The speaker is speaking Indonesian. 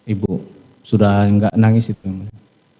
ibu sudah nggak nangis itu yang mulia